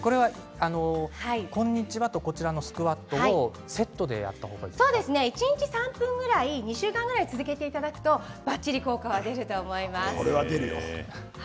こんにちはとこちらのスクワットを一日３分ぐらい２週間続けていただく形で効果が出ると思います。